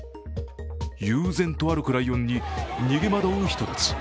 悠然と歩くライオンに逃げ惑う人たち。